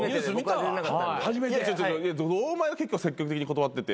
堂前が結構積極的に断ってて。